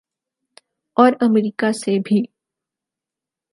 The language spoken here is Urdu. اور امریکہ سے بھی۔